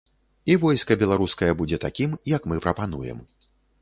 І войска беларускае будзе такім, як мы прапануем.